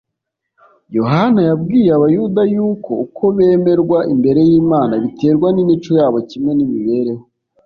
Yohana yabwiye Abayuda yuko uko bemerwa imbere y'Imana biterwa n'imico yabo kimwe n'imibereho.